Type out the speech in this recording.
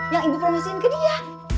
yang ibu promosiin ke dia